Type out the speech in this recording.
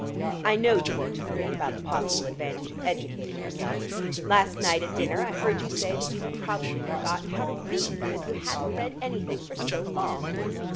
I know you won't agree about the possible advantage of educating yourself. Last night at dinner I heard you say that you had probably forgotten how to read, as you hadn't read anything for so long.